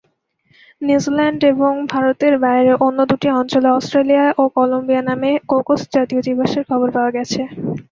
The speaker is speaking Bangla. নিউজিল্যান্ড এবং ভারতের বাইরে অন্য দুটি অঞ্চলে অস্ট্রেলিয়া ও কলম্বিয়া নামে কোকোস জাতীয় জীবাশ্মের খবর পাওয়া গেছে।